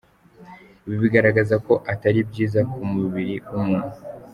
Ibi bigaragaza ko atari byiza ku mubiri w’umuntu.